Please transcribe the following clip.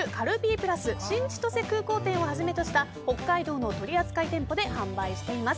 プラス新千歳空港店をはじめとした北海道の取扱店舗で販売しています。